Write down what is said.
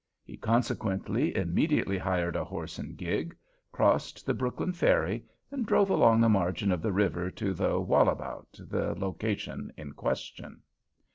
He consequently immediately hired a horse and gig, crossed the Brooklyn ferry, and drove along the margin of the river to the Wallabout, the location in question.